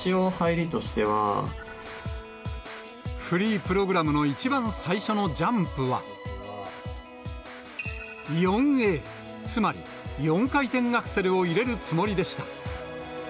フリープログラムの一番最初のジャンプは４Ａ、つまり４回転アクセルを入れるつもりでした。